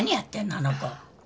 あの子。